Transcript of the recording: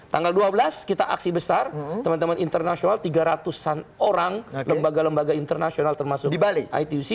tanggal dua belas kita aksi besar teman teman internasional tiga ratusan orang lembaga lembaga internasional termasuk ituc